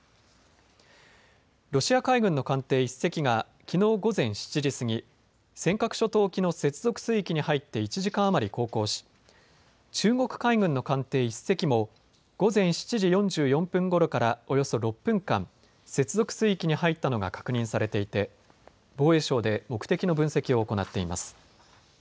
ロシア海軍の艦艇１隻がきのう午前７時過ぎ尖閣諸島沖の接続水域に入って１時間余り航行し中国海軍の艦艇１隻も午前７時４４分ごろからおよそ６分間、接続水域に入ったのが確認されていて防衛省で目的の分析を行っています。